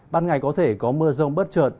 ban ngày có thể có mưa rông bớt trợn